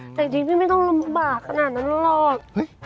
แต่จริงพี่ไม่ต้องลำบากขนาดนั้นหรอก